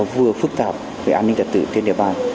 vừa phức tạp về an ninh trật tự trên địa bàn